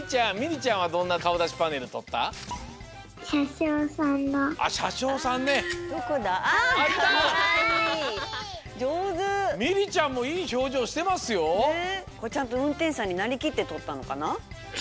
ちゃんとうんてんしさんになりきってとったのかな？